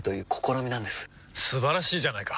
素晴らしいじゃないか！